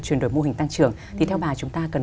chuyển đổi mô hình tăng trưởng thì theo bà chúng ta cần